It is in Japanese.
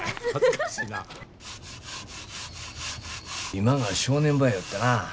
今が正念場やよってな。